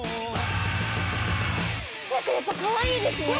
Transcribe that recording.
何かやっぱかわいいですね。